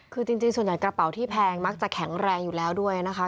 คือจริงส่วนใหญ่กระเป๋าที่แพงมักจะแข็งแรงอยู่แล้วด้วยนะคะ